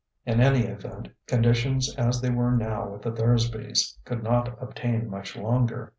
In any event, conditions as they were now with the Thursbys could not obtain much longer.